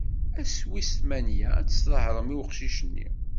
Ass wis tmanya, ad s-sḍehren i uqcic-nni.